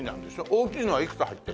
大きいのはいくつ入ってるの？